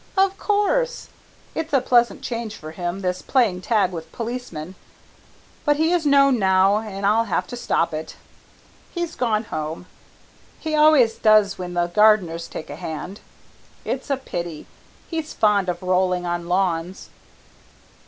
"Of course. It's a pleasant change for him, this playing tag with policemen, but he is known now and I'll have to stop it. He's gone home. He always does when the gardeners take a hand. It's a pity; he's fond of rolling on lawns."